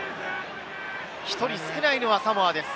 １人少ないのはサモアです。